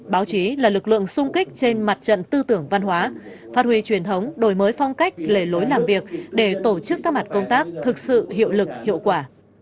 báo chí là lực lượng sung kích trên mặt trận tư tưởng văn hóa phát huy truyền thống đổi mới phong cách lề lối làm việc để tổ chức các mặt công tác thực sự hiệu lực hiệu quả